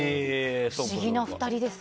不思議な２人です。